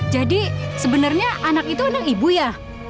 jadi sebenarnya anak itu anak ibu ya